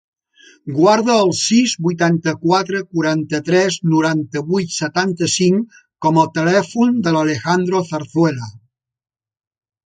Guarda el sis, vuitanta-quatre, quaranta-tres, noranta-vuit, setanta-cinc com a telèfon de l'Alejandro Zarzuela.